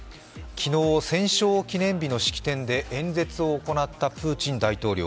昨日、戦勝記念日の式典で演説を行ったプーチン大統領。